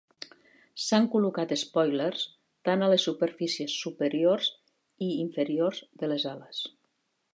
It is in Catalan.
S'han col·locat espòilers tant a les superfícies superiors i inferiors de les ales.